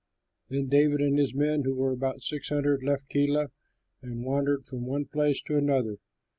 Then David and his men, who were about six hundred, left Keilah, and wandered from one place to another.